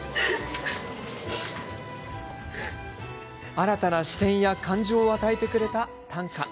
新たな視点や感情を与えてくれた短歌。